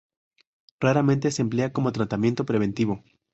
Raramente se emplea como tratamiento preventivo.